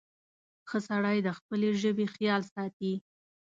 • ښه سړی د خپلې ژبې خیال ساتي.